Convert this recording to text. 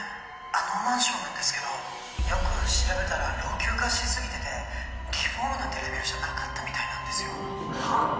あのマンションなんですけどよく調べたら老朽化しすぎててリフォームなんてレベルじゃなかったみたいなんですよはっ？